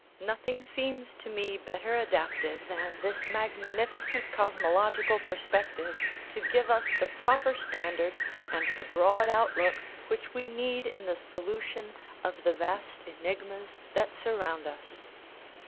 Nothing seems to me better adapted than this mag nificent cosmological perspective to give us the proper standard and the broad outlook which we need in the solution of the vast enigmas that surround us.